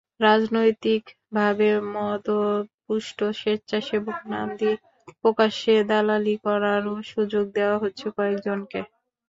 রাজনৈতিকভাবে মদদপুষ্ট স্বেচ্ছাসেবক নাম দিয়ে প্রকাশ্যে দালালি করারও সুযোগ দেওয়া হচ্ছে কয়েকজনকে।